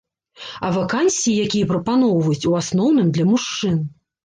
А вакансіі, якія прапаноўваюць, у асноўным для мужчын.